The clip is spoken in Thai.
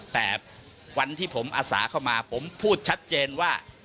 แต่วันที่ผมอาสาเข้ามาผมพูดชัดเจนว่า